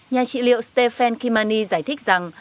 nhà trị liệu stephen kimani giải thích rằng